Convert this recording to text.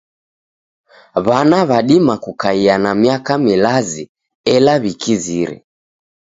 W'ana w'adima kukaia na miaka milazi ela w'ikizire.